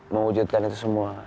mewujudkan itu semua